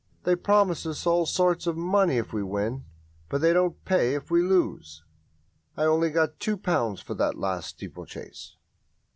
They promise us all sorts of money if we win, but they don't pay if we lose. I only got two pounds for that last steeplechase."